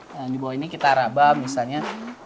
nah di bawah ini kita raba misalnya